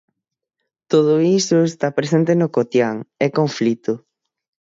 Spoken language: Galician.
Todo iso está presente no cotián, é conflito.